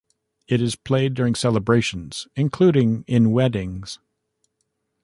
It is played during celebrations including in weddings.